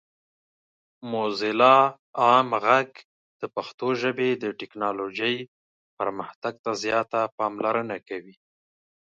موزیلا عام غږ د پښتو ژبې د ټیکنالوجۍ پرمختګ ته زیاته پاملرنه کوي.